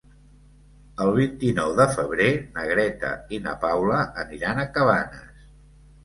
El vint-i-nou de febrer na Greta i na Paula aniran a Cabanes.